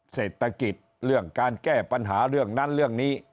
เศรษฐกิจเรื่องการแก้ปัญหาเรื่องนั้นเรื่องนี้